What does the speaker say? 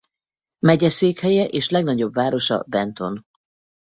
Megyeszékhelye és legnagyobb városa Benton.